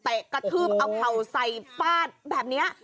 แตะกระทืบเอาเขาใส่ป้าดแบบนี้